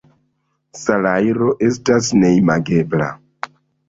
Salajro estas neimagebla.